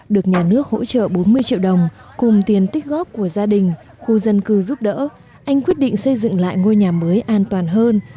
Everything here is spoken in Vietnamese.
được nhà nước hỗ trợ bốn mươi triệu đồng cùng tiền tích góp của gia đình khu dân cư giúp đỡ anh quyết định xây dựng lại ngôi nhà mới an toàn hơn